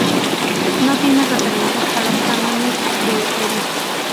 No tiene referencias a los Cánones de Eusebio.